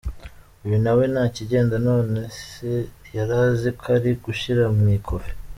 uyu nawe ntakigenda nonesi yarazi kari gushira mwi kofi.